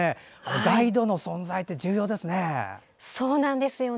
ガイドの存在って重要ですね。